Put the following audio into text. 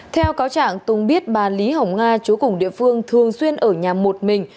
theo cáo trạng tùng biết bà lý hồng nga chú cùng địa phương thường xuyên ở nhà một mình